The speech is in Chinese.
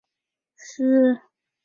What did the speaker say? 曹火星身边的战友先后牺牲了。